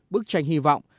bức tranh hy vọng